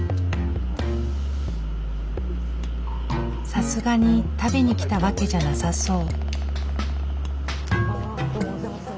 さすがに食べに来たわけじゃなさそう。